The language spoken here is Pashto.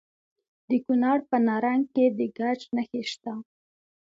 د کونړ په نرنګ کې د ګچ نښې شته.